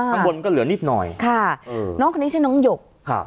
ข้างบนก็เหลือนิดหน่อยค่ะอืมน้องคนนี้ชื่อน้องหยกครับ